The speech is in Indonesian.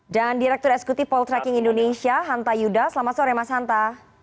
dan direktur eksekutif poltreking indonesia hanta yuda selamat sore mas hanta